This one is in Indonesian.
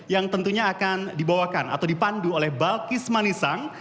yang tentunya akan dibawakan atau dipandu oleh balkis manisang